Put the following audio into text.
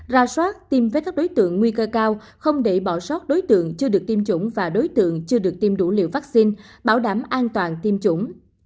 ra soát tiêm với các đối tượng nguy cơ cao không để bỏ sót đối tượng chưa được tiêm chủng và đối tượng chưa được tiêm đủ liều vaccine bảo đảm an toàn tiêm chủng